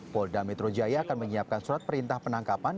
polda metro jaya akan menyiapkan surat perintah penangkapan